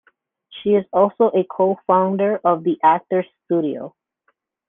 She was also a co-founder of the Actors Studio.